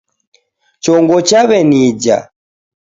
Chongo chawenija